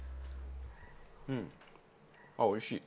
うんあっおいしい！